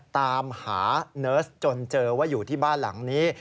ตามหาเนิร์สจนเจอว่าอยู่ที่บ้านหลังนี้